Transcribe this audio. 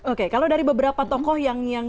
oke kalau dari beberapa tokoh yang